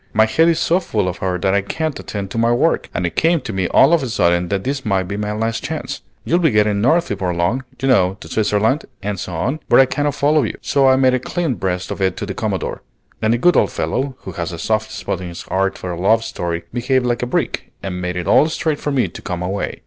"My head is so full of her that I can't attend to my work, and it came to me all of a sudden that this might be my last chance. You'll be getting north before long, you know, to Switzerland and so on, where I cannot follow you. So I made a clean breast of it to the Commodore; and the good old fellow, who has a soft spot in his heart for a love story, behaved like a brick, and made it all straight for me to come away."